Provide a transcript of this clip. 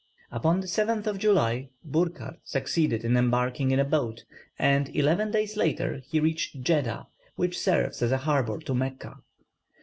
Upon the 7th of July Burckhardt succeeded in embarking in a boat, and eleven days later he reached Jeddah, which serves as a harbour to Mecca.